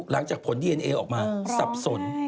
หลังจากผลดีเอนเอออกมาสับสน